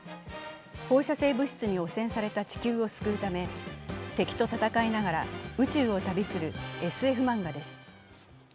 放射性物質に汚染された地球を救うため、敵と戦いながら宇宙を旅するＳＦ漫画です。